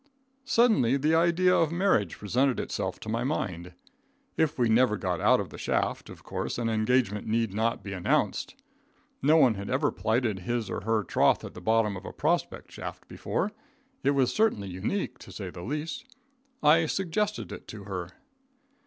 Suddenly the idea of marriage presented itself to my mind. If we never got out of the shaft, of course an engagement need not be announced. No one had ever plighted his or her troth at the bottom of a prospect shaft before. It was certainly unique, to say the least. I suggested it to her.